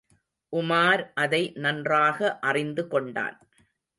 உமார் அதை நன்றாக அறிந்து கொண்டான்.